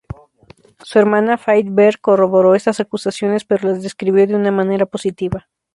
Su hermana, Faith Berg, corroboró estas acusaciones, pero las describió de una manera positiva.